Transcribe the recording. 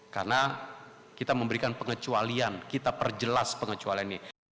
karena kita memberikan pengecualian kita perjelas pengecualiannya